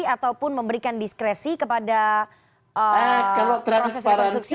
ataupun memberikan diskresi kepada proses rekonstruksi